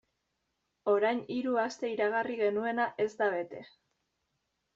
Orain hiru aste iragarri genuena ez da bete.